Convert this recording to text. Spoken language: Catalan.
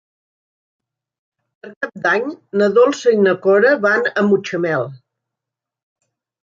Per Cap d'Any na Dolça i na Cora van a Mutxamel.